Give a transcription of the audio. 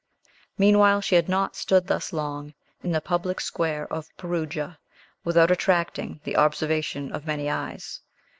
Meanwhile, she had not stood thus long in the public square of Perugia, without attracting the observation of many eyes.